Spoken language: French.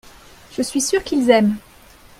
je suis sûr qu'ils aiment.